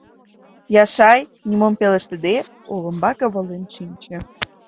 Яшай, нимом пелештыде, олымбаке волен шинче.